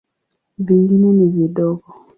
Vingine ni vidogo.